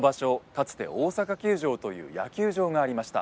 かつて大阪球場という野球場がありました。